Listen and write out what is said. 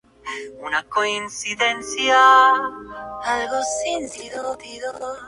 Álbumes individuales han ganado y han sido nominados a varios premios.